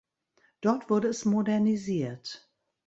Dort wurde es modernisiert.